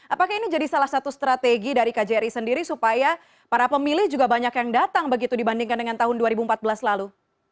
apakah ini jadi salah satu strategi dari kjri sendiri supaya para pemilih juga banyak yang datang begitu dibandingkan dengan tahun dua ribu empat belas lalu